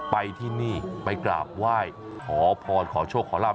ไปที่นี่ไปกราบไหว้ขอพรขอโชคขอลาบ